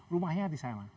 rumahnya di sana